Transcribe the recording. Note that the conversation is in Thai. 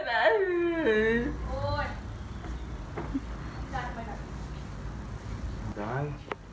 สวัสดีครับ